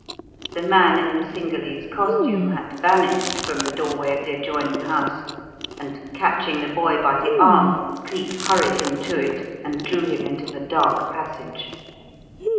The man in the Cingalese costume had vanished from the doorway of the adjoining house, and, catching the boy by the arm, Cleek hurried him to it and drew him into the dark passage.